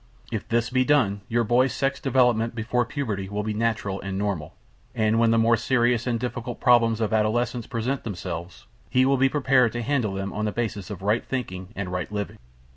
If this be done, your boy's sex development before puberty will be natural and normal, and when the more serious and difficult problems of adolescence present themselves, he will be prepared to handle them on the basis of right thinking and right living.